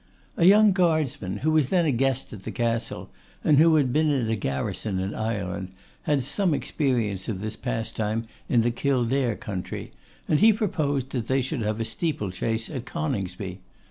A young guardsman, who was then a guest at the Castle, and who had been in garrison in Ireland, had some experience of this pastime in the Kildare country, and he proposed that they should have a steeple chase at Coningsby.